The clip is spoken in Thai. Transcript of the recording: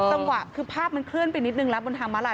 จังหวะคือภาพมันเคลื่อนไปนิดนึงแล้วบนทางม้าลาย